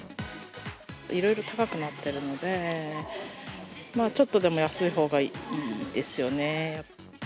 いろいろ高くなっているので、ちょっとでも安いほうがいいですよね。